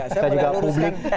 saya juga publik